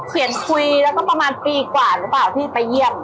คุยแล้วก็ประมาณปีกว่าหรือเปล่าที่ไปเยี่ยม